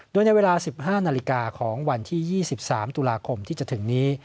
โดยในเวลา๑๕นาฬิกาของวันที่๒๓ตุลาคมที่จะถึงนี้